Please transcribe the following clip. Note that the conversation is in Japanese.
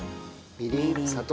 みりん砂糖。